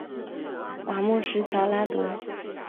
瓦莫什乔拉德。